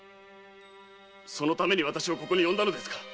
そのために私をここに呼んだのですか！